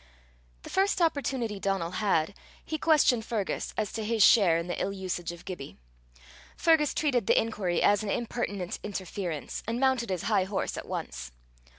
The first opportunity Donal had, he questioned Fergus as to his share in the ill usage of Gibbie. Fergus treated the inquiry as an impertinent interference, and mounted his high horse at once.